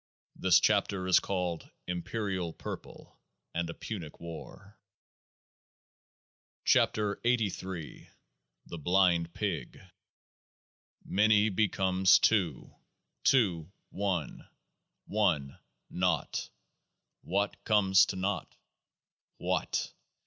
This chapter is called Imperial Purple and A Punic War. 100 keoaah nr THE BLIND PIG 41 Many becomes two : two one : one Naught. What comes to Naught? What